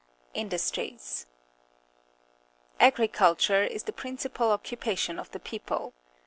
Industries. — Agriculture is the principal occupation of the people.